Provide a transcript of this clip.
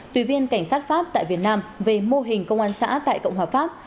tùy viên cảnh sát pháp tại việt nam về mô hình công an xã tại cộng hòa pháp